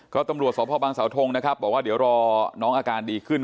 ก็ตำรวจสพบังสาวทงนะครับบอกว่าเดี๋ยวรอน้องอาการดีขึ้น